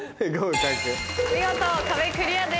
見事壁クリアです。